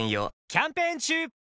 キャンペーン中！